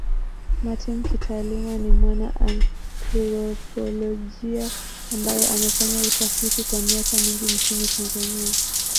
Martin kitaaluma ni mwana anthropolojia ambaye amefanya utafiti kwa miaka mingi nchini Tanzania.